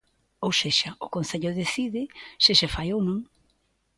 Ou sexa, o concello decide se se fai ou non.